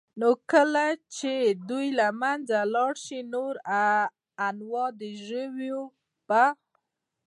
نو كله چي دوى له منځه ولاړ شي نور انواع د ژوو به